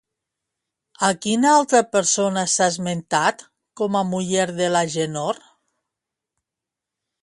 A quina altra persona s'ha esmentat com a muller de l'Agènor?